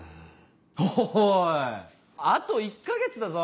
おいあと１か月だぞ。